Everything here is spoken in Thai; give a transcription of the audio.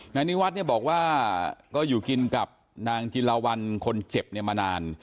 นายนิวัฒน์เนี่ยบอกว่าก็อยู่กินกับนางจิลวันคนเจ็บเนี่ยมานาน